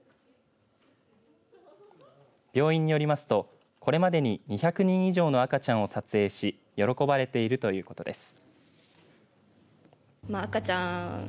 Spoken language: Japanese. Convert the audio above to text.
病院によりますと、これまでに２００人以上の赤ちゃんを撮影し喜ばれているということです。